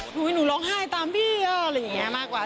หนูให้หนูร้องไห้ตามพี่อะไรอย่างนี้มากกว่า